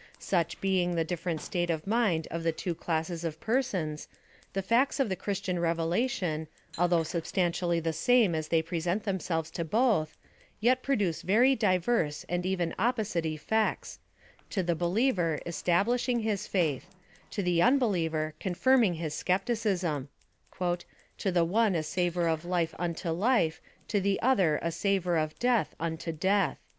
Such being the different state of mind of the two classes of persons, the fa:ts of the Christian revelation, although substantially the same as they present themselves to both, yet produce very diverse and even opposite effects ; to the believer establishing his faith, to the unbeliever confirming his skepticism ; to the one a savor of life unto life, to the ether a savor of death unto death.